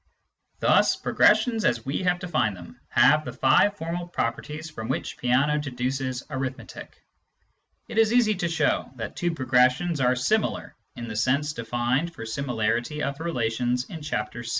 Thus progressions as we have defined them have the five formal properties from which Peano deduces arithmetic. It is easy to show that two progessions are " similar " in the sense defined for similarity of relations in Chapter VI.